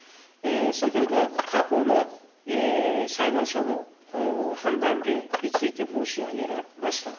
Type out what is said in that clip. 先ほど、過去の裁判所の判断例について申し上げました。